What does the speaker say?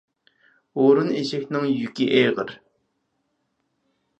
ھۇرۇن ئېشەكنىڭ يۈكى ئېغىر.